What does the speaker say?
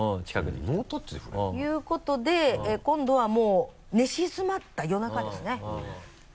ノータッチで触れる？ということで今度はもう寝静まった夜中ですね。